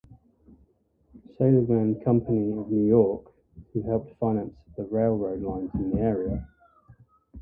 Seligman Company of New York, who helped finance the railroad lines in the area.